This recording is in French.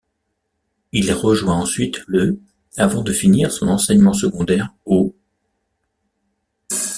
Il rejoint ensuite le ' avant de finir son enseignement secondaire au '.